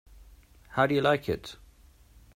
How do you like it?